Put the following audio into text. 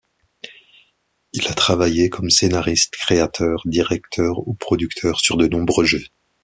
Il a travaillé comme scénariste, créateur, directeur ou producteur sur de nombreux jeux.